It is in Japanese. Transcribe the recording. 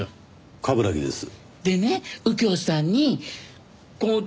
冠城です。